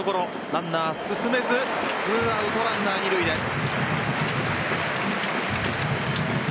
ランナー進めず２アウトランナー二塁です。